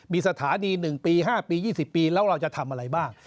มีสถานี๑ปี๕ปี๒๐ปีแล้วเราจะทำอะไรบ้าง